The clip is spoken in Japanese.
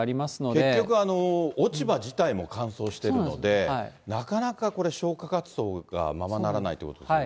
結局、落ち葉自体も乾燥してるので、なかなかこれ、消火活動がままならないということですね。